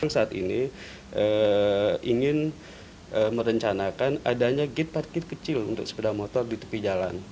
saat ini ingin merencanakan adanya gate parkir kecil untuk sepeda motor di tepi jalan